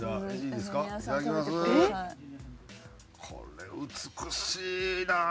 これ美しいな！